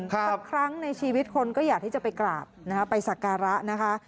สักครั้งในชีวิตคนก็อยากที่จะไปกราบนะคะไปสักการะนะคะ